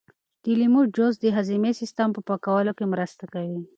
د لیمو جوس د هاضمې سیسټم په پاکولو کې مرسته کوي.